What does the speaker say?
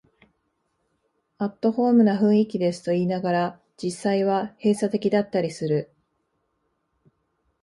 アットホームな雰囲気ですと言いながら、実際は閉鎖的だったりする